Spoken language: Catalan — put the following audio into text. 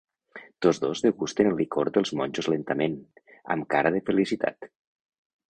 Tots dos degusten el licor dels monjos lentament, amb cara de felicitat.